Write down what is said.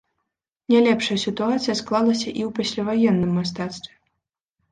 Не лепшая сітуацыя склалася і ў пасляваенным мастацтве.